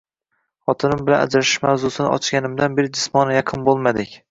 Xotinim bilan ajrashish mavzusini ochganimdan beri jismonan yaqin bo‘lmadik